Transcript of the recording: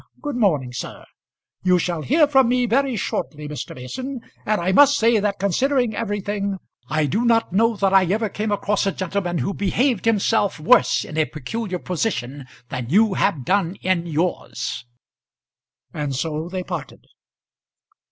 Good morning, sir. You shall hear from me very shortly, Mr. Mason; and I must say that, considering everything, I do not know that I ever came across a gentleman who behaved himself worse in a peculiar position than you have done in yours." And so they parted.